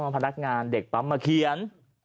พนักงานเด็กปั๊มมาเขียน